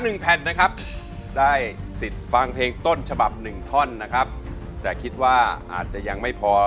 หนึ่งแผ่นนะครับได้สิทธิ์ฟังเพลงต้นฉบับหนึ่งท่อนนะครับแต่คิดว่าอาจจะยังไม่พอ